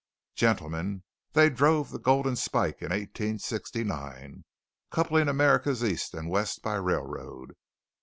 "Gentlemen, they drove the Golden Spike in 1869, coupling America's East and West by railroad.